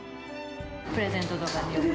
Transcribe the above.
プレゼントとかに。